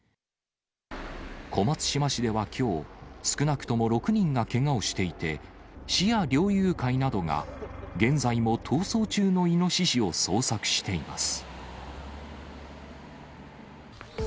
小松島市ではきょう、少なくとも６人がけがをしていて、市や猟友会などが、現在も逃走中のイノシシを捜索しています。